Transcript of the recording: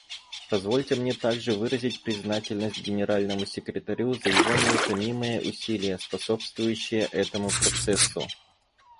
Позвольте мне также выразить признательность Генеральному секретарю за его неутомимые усилия, способствующие этому процессу.